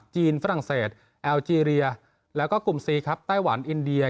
ฝรั่งเศสแอลเจรียแล้วก็กลุ่มซีครับไต้หวันอินเดีย